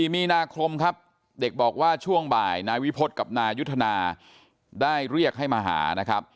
มีนาคมครับเด็กบอกว่าช่วงบ่ายนายวิพฤษกับนายุทธนาได้เรียกให้มาหานะครับ